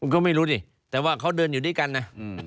ก็ไม่รู้ดิแต่ว่าเขาเดินอยู่ด้วยกันนะ